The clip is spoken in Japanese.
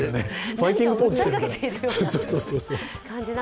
ファイティングポーズしてるみたい。